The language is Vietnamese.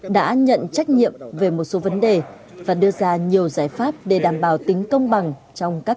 đã nhận trách nhiệm về một số vấn đề và đưa ra nhiều giải pháp để đảm bảo tính công bằng trong các